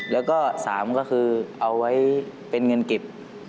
แล้วก็๓ก็คือเอาไว้เป็นเงินเก็บ